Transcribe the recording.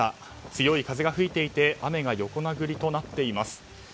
強い風が吹いていて雨が横殴りとなっています。